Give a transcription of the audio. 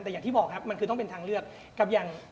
แต่อย่างที่บอกครับมันคือต้องเป็นทางเลือกกับอย่าง